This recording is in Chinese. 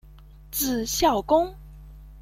字孝公。